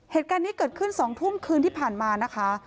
เหตุการณ์นี้เกิดขึ้น๒ทุ่มคืนที่ผ่านมานะคะ